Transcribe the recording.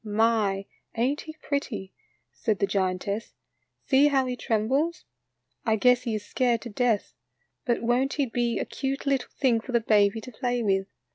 "My, ain't he pretty?" said the giantess; " see how he trembles. I guess he is scared to death. But won't he be a cute little thing for the baby to play with?